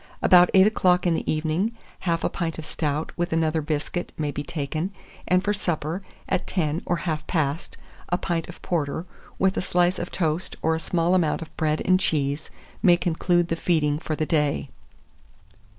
About eight o'clock in the evening, half a pint of stout, with another biscuit, may be taken; and for supper, at ten or half past, a pint of porter, with a slice of toast or a small amount of bread and cheese, may conclude the feeding for the day.